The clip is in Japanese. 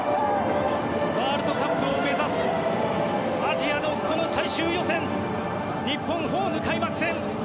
ワールドカップを目指すアジアのこの最終予選日本、ホーム開幕戦